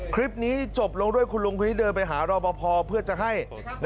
คลิปนี้จบลงด้วยคุณลุงคนนี้เดินไปหารอปภเพื่อจะให้